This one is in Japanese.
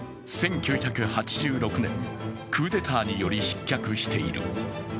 １９８６年、クーデターにより失脚している。